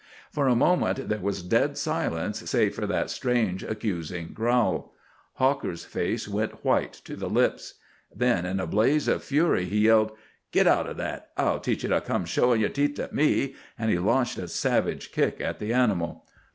For a moment there was dead silence save for that strange accusing growl. Hawker's face went white to the lips. Then, in a blaze of fury he yelled: "Git out o' that! I'll teach ye to come showin' yer teeth at me!" And he launched a savage kick at the animal.